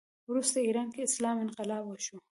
وروسته ایران کې اسلامي انقلاب وشو